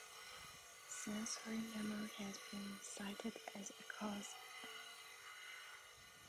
Sensory memory has been cited as a cause.